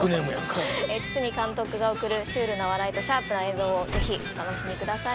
堤監督が送るシュールな笑いとシャープな映像をぜひお楽しみください